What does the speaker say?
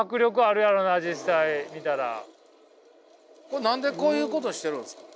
これ何でこういうことしてるんですか？